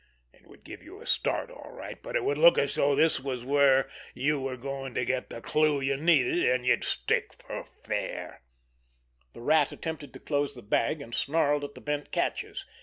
It would give you a start, all right—but it would look as though this was where you were going to get the clue you needed, and you'd stick for fair." The Rat attempted to close the bag, and snarled at the bent catches.